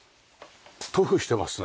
塗布してますね。